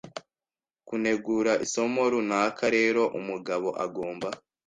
Kunegura isomo runaka rero umugabo agomba